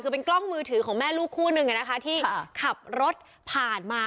คือเป็นกล้องมือถือของแม่ลูกคู่นึงที่ขับรถผ่านมา